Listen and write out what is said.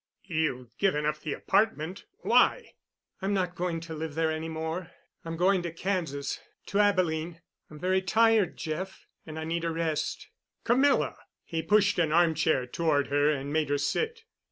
"You've given up the apartment? Why?" "I'm not going to live there any more. I'm going to Kansas—to Abilene. I'm very tired, Jeff, and I need a rest." "Camilla!" He pushed an armchair toward her and made her sit.